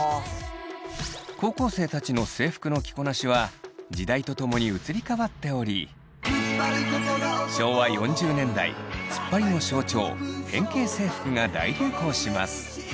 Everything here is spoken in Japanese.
高校生たちの制服の着こなしは時代とともに移り変わっており昭和４０年代ツッパリの象徴変形制服が大流行します。